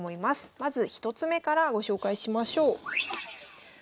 まず１つ目からご紹介しましょう。